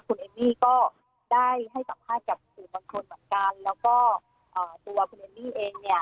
คุณเอมมี่ก็ได้ให้สัมภาษณ์กับสื่อมวลชนเหมือนกันแล้วก็ตัวคุณเอมมี่เองเนี่ย